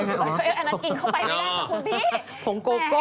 เออแอน่ากินเข้าไปไม่ได้ค่ะคุณพี่แม่ผงโกโก้